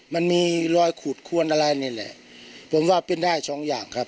มันมีรอยขูดขวนอะไรนี่แหละผมว่าเป็นได้สองอย่างครับ